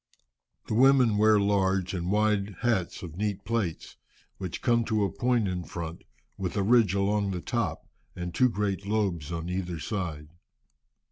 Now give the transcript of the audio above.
The women wear large and wide hats of neat plaits, which come to a point in front, with a ridge along the top, and two great lobes on either side.